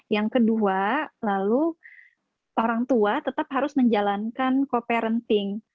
yang kedua lalu orang tua tetap harus menjalankan co parenting